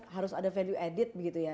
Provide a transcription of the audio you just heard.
harus ada value added begitu ya